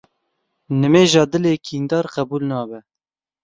Nimêja dilê kîndar qebûl nabe.